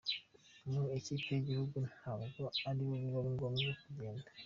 Mu ikipe y’igihugu ntabwo ariko biba bigomba kugenda.